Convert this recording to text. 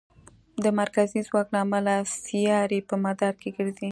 د مرکزي ځواک له امله سیارې په مدار کې ګرځي.